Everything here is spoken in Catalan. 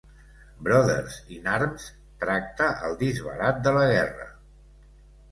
"Brothers in Arms" tracta el disbarat de la guerra.